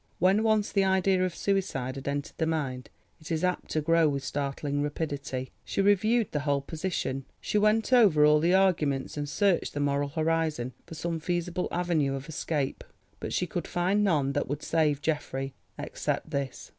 When once the idea of suicide has entered the mind it is apt to grow with startling rapidity. She reviewed the whole position; she went over all the arguments and searched the moral horizon for some feasible avenue of escape. But she could find none that would save Geoffrey, except this.